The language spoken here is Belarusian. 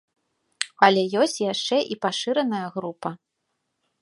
Але ёсць яшчэ і пашыраная група.